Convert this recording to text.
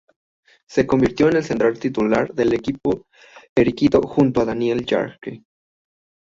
Se convirtió en el central titular del equipo periquito junto a Daniel Jarque.